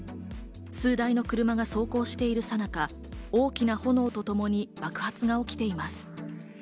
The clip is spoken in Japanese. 数台の車が走行しているさなか、大きな炎とともに爆発が起きています。